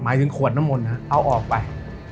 หมายถึงขวดน้ำมนต์เอาออกไป